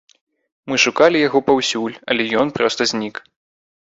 Мы шукалі яго паўсюль, але ён проста знік.